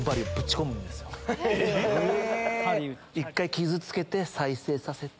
傷つけて再生させて。